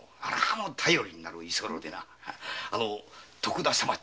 頼りになる居候でな徳田様。